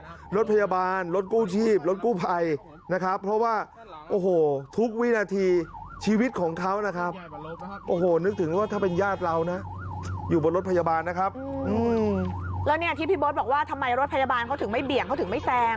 อยู่บนรถพยาบาลนะครับแล้วเนี่ยที่พี่โบ๊ทบอกว่าทำไมรถพยาบาลเขาถึงไม่เบี่ยงเขาถึงไม่แซง